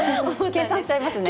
計算しちゃいますね。